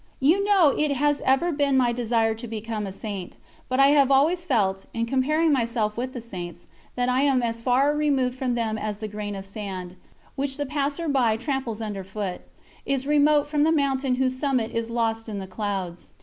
You know it has ever been my desire to become a Saint, but I have always felt, in comparing myself with the Saints, that I am as far removed from them as the grain of sand, which the passer by tramples underfoot, is remote from the mountain whose summit is lost in the clouds.